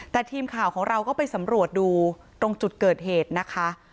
แต่ทีมข่าวของเราก็ไปสำรวจดูตรงจุดเกิดเหตุนะคะ